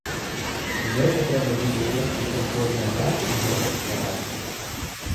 Гэта трэба будзе ў першую чаргу аднаўляць і гэта ствараць.